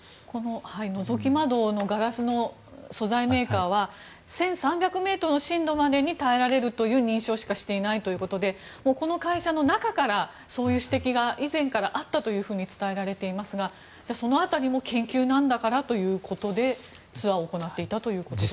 のぞき窓のガラスの素材メーカーは１３００ｍの深度までに耐えられるという認証しかしていないということでこの会社の中からそういう指摘が以前からあったと報じられていますがその辺りも研究なんだからということでツアーを行っていたということですか。